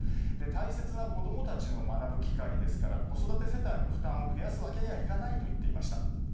大切な子供の学ぶ機会ですから子育て世帯の負担を増やすわけにはいかないと言っていました。